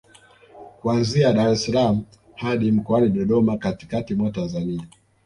kuanzia Dar es salaam hadi mkoani Dodoma katikati mwa Tanzania